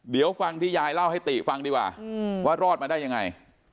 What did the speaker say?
เดี๋ยวฟังที่ยายเล่าให้ติฟังดีกว่าว่ารอดมาได้ยังไง